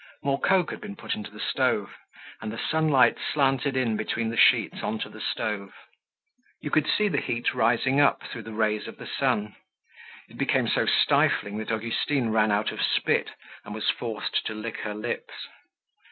More coke had been put into the stove and the sunlight slanted in between the sheets onto the stove. You could see the heat rising up through the rays of the sun. It became so stifling that Augustine ran out of spit and was forced to lick her lips.